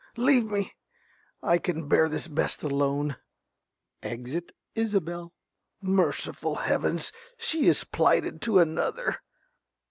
Leave me! I can bear this best alone. (Exit Isobel.) Merciful heavens, she is plighted to another.